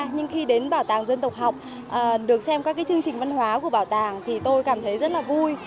nhưng khi đến bảo tàng dân tộc học được xem các cái chương trình văn hóa của bảo tàng thì tôi cảm thấy rất là vui